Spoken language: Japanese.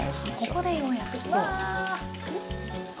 ここでようやくわあ！